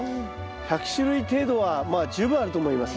１００種類程度はまあ十分あると思います。